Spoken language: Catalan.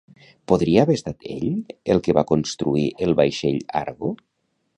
Podria haver estat ell el que va construir el vaixell Argo?